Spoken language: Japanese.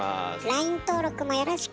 ＬＩＮＥ登録もよろしく。